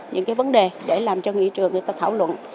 những cái vấn đề để làm cho nghị trường người ta thảo luận